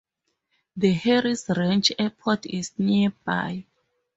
The Harris Ranch Airport is nearby.